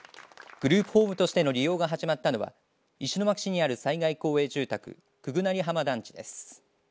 グループホームとしての利用が始まったのは石巻市にある災害公営住宅十八成浜団地です。